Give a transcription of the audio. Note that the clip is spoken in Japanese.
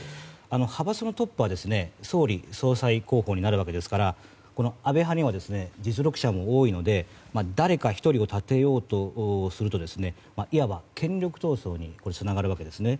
派閥のトップは総理総裁候補になるわけですから安倍派には実力者も多いので誰か１人を立てようとするといわば権力闘争につながるわけです。